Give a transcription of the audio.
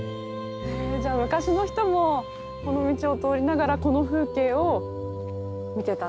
じゃあ昔の人もこの道を通りながらこの風景を見てたっていうことですか？